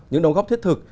những đóng góp thiết thực